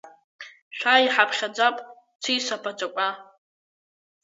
Шәааи, иҳаԥхьаӡап цис аԥаҵақәа!